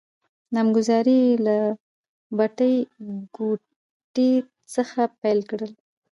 نامګذارې يې له بټې ګوتې څخه پیل کړل.